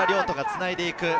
土がつないでいく。